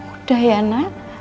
udah ya nak